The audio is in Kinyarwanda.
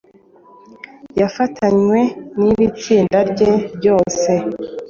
yafatanywe n'iri tsinda rye ryose.